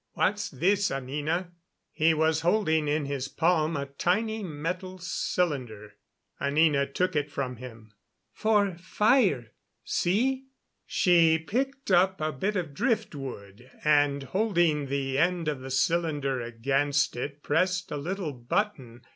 "What's this, Anina?" He was holding in his palm a tiny metal cylinder. Anina took it from him. "For fire, see?" She picked up a bit of driftwood, and, holding the end of the cylinder against it, pressed a little button.